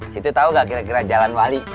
situ tau gak kira kira jalan wali